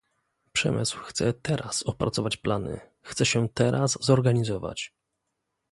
Przemysł chce teraz opracować plany, chce się teraz zorganizować